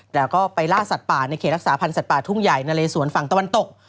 แล้วก็ไปล่าสัตว์ป่าในเขตรักษาพันธ์สัตว์ป่าทุ่งใหญ่นะเลสวนฝั่งตะวันตก